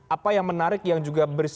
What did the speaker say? apa yang menarik yang juga